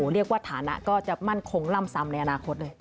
เรียกว่าฐานะก็จะมั่นคงล่ำซำในอนาคตเลย